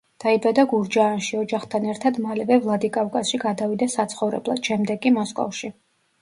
დაიბადა გურჯაანში, ოჯახთან ერთად მალევე ვლადიკავკაზში გადავიდა საცხოვრებლად, შემდეგ კი მოსკოვში.